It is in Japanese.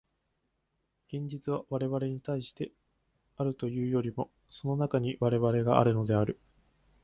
現実は我々に対してあるというよりも、その中に我々があるのである。